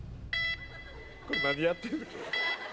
「これ何やってんねん？」